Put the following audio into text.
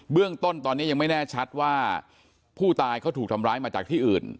เรื่องต้นตอนนี้ยังไม่แน่ชัดว่าผู้ตายเขาถูกทำร้ายมาจากที่อื่น